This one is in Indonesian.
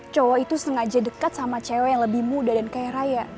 cowok itu sengaja dekat sama cewek yang lebih muda dan kaya raya